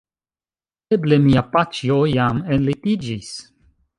Eble mia paĉjo jam enlitiĝis."